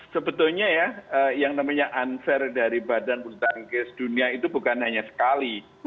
sebetulnya ya yang namanya unfair dari badan bulu tangkis dunia itu bukan hanya sekali